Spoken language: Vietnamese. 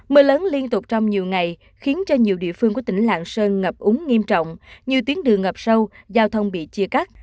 mưa lớn liên tục trong nhiều ngày khiến cho nhiều địa phương của tỉnh lạng sơn ngập úng nghiêm trọng như tuyến đường ngập sâu giao thông bị chia cắt